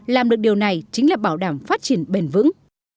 làm được điều này chính là bảo đảm phát triển bền vững